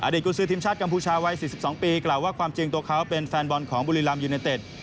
ตกุศือทีมชาติกัมพูชาวัย๔๒ปีกล่าวว่าความจริงตัวเขาเป็นแฟนบอลของบุรีรำยูไนเต็ด